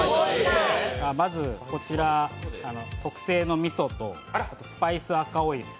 まずこちら特製のみそとスパイスにオイル